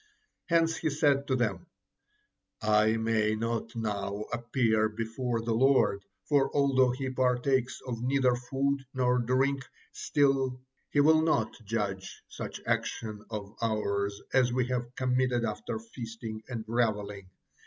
Hence he said to them: "I may not now appear before the Lord, for although He partakes of neither food nor drink, still He will not judge such actions of ours as we have committed after feasting and revelling.